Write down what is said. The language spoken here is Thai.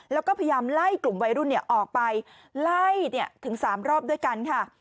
แล้วก็พยายามไล่กลุ่มวัยรุ่นออกไปไล่ถึง๓รอบด้วยกันค่ะ